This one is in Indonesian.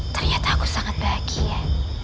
ternyata aku sangat bahagia